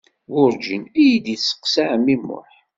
Werǧin iyi-d-isteqsa ɛemmi Muḥ.